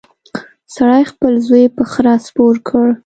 سړي خپل زوی په خره سپور کړ.